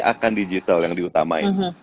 akan digital yang diutamain